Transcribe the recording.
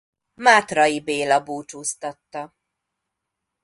Mátray Béla búcsúztatta.